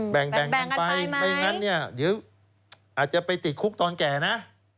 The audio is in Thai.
แบ่งกันไปไม่งั้นเนี่ยเดี๋ยวอาจจะไปติดคุกตอนแก่นะ